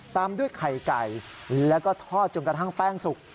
ตามด้วยไข่ไก่แล้วก็ทอดจนกระทั่งแป้งสุก